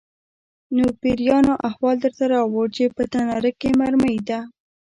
_نو پېريانو احوال درته راووړ چې په تناره کې مرمۍ ده؟